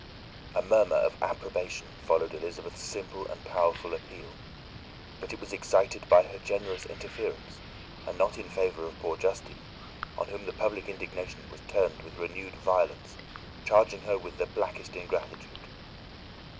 A murmur of approbation followed Elizabeth's simple and powerful appeal, but it was excited by her generous interference, and not in favour of poor Justine, on whom the public indignation was turned with renewed violence, charging her with the blackest ingratitude.